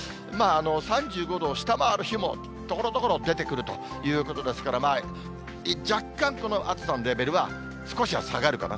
３５度を下回る日もところどころ、出てくるということですから、若干、暑さのレベルは少しは下がるかな。